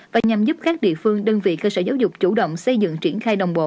và nhằm giúp các địa phương đơn vị cơ sở giáo dục chủ động xây dựng triển khai đồng bộ